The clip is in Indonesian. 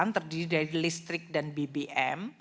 terdiri dari listrik dan bbm